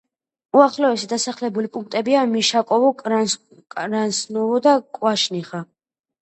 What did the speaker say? უახლოესი დასახლებული პუნქტებია: მიშაკოვო, კრასნოვო, კვაშნიხა.